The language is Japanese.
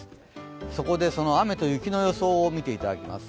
そこで、雨と雪の予想を見ていただきます。